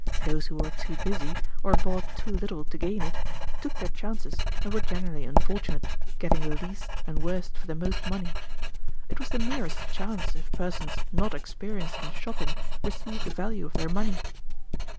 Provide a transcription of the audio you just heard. Those who were too busy, or bought too little to gain it, took their chances and were generally unfortunate, getting the least and worst for the most money. It was the merest chance if persons not experienced in shopping received the value of their money."